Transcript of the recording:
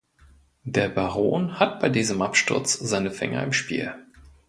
Der Baron hat bei diesem Absturz seine Finger im Spiel.